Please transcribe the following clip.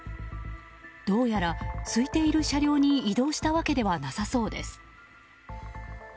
どうやら空いている車両に移動したわけではなさそうです。